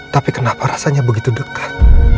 tapi kenapa rasanya begitu dekat